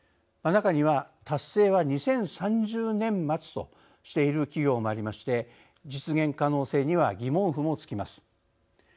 中には、達成は２０３０年末としている企業もありまして実現可能性には疑問符もつきます。